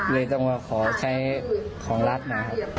เลยต้องมาขอใช้ของรัฐนะครับ